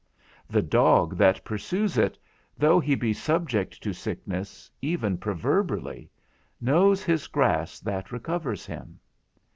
The dog that pursues it, though he be subject to sickness, even proverbially, knows his grass that recovers him.